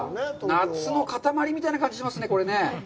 夏の固まりみたいな感じがしますね、これね。